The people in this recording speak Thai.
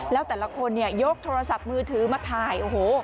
แล้วแต่ละคนเนี่ยยกโทรศัพท์มือถือมาถ่ายโอ้โห